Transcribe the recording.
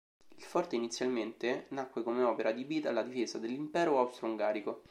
Il forte inizialmente nacque come opera adibita alla difesa dell'impero austro-ungarico.